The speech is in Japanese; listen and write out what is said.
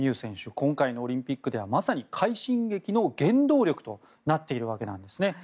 今回のオリンピックではまさに快進撃の原動力となっているわけなんですね。